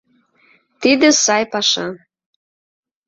Тиде сай паша.